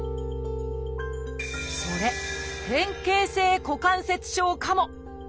それ「変形性股関節症」かも。